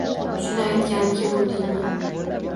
Shuni aytgani keluvdingmi?